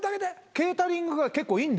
ケータリングが結構いいんだよね。